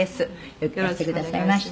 「よくいらしてくださいました」